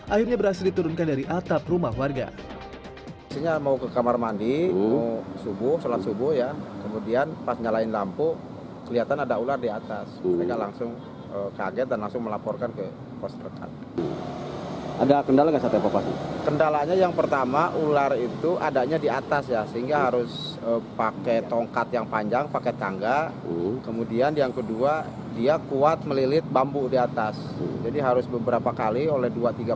akhirnya berhasil diturunkan dari atap rumah warga